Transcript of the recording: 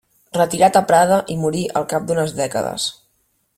Retirat a Prada, hi morí al cap d'unes dècades.